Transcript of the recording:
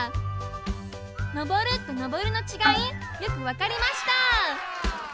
「昇る」と「上る」のちがいよくわかりました！